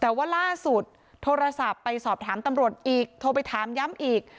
แต่ว่าล่าสุดโทรศัพท์ไปสอบถามตำรวจอีกโทรไปถามย้ำอีก